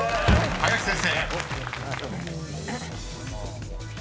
［林先生］